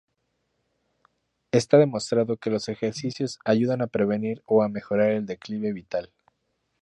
Está demostrado que los ejercicios ayudan a prevenir o a mejorar el declive vital.